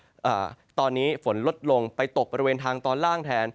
หนักละทีเดียวตอนนี้ฝนลดลงไปตกบริเวณทางตอนล่างแทน